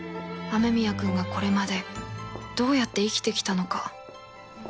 雨宮くんがこれまでどうやって生きてきたのか